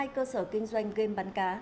hai cơ sở kinh doanh game bắn cá